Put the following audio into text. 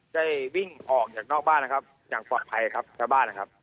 ได้วิ่งออกจากนอกบ้านนะครับอย่างปลอดภัยครับชาวบ้านนะครับ